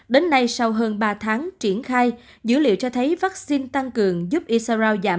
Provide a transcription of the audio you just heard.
đến nay sau hơn ba tháng triển khai dữ liệu cho thấy vaccine tăng cường giúp isarao giảm